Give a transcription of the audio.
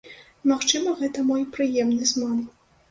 Магчыма, гэта мой прыемны зман.